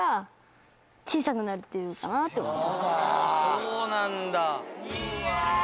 そうなんだ。